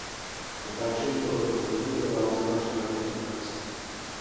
Natáčení tohoto filmu provázela řada komplikací.